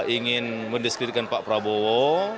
ingin mendiskriminasi pak prabowo